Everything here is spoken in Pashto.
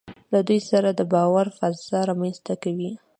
له دوی سره د باور فضا رامنځته کوي.